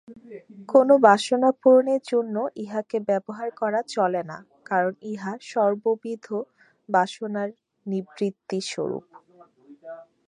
কোন বাসনাপূরণের জন্য ইহাকে ব্যবহার করা চলে না, কারণ ইহা সর্ববিধ বাসনার নিবৃত্তি-স্বরূপ।